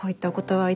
はい。